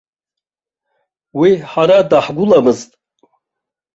Уи ҳара даҳгәыламызт.